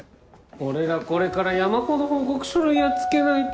俺らこれから山ほど報告書類やっつけないと。